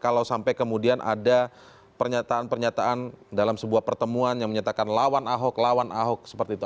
kalau sampai kemudian ada pernyataan pernyataan dalam sebuah pertemuan yang menyatakan lawan ahok lawan ahok seperti itu